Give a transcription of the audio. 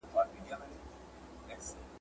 په هغه وخت کی یې علاج نه کېدی ,